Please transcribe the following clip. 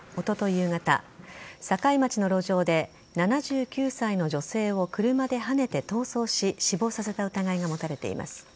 夕方堺町の路上で７９歳の女性を車ではねて逃走し死亡させた疑いが持たれています。